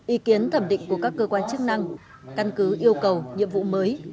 ý kiến thẩm định của các cơ quan chức năng căn cứ yêu cầu nhiệm vụ mới